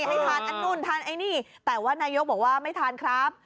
ให้ทานอันนู่นทานไอ้นี่แต่ว่านายกบอกว่าไม่ทานครับ